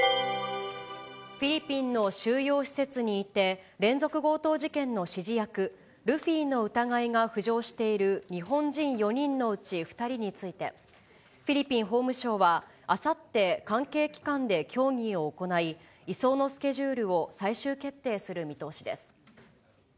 フィリピンの収容施設にいて、連続強盗事件の指示役、ルフィの疑いが浮上している日本人４人のうち２人について、フィリピン法務省は、あさって、関係機関で協議を行い、移送のスケジュールを最終決定する見通しです。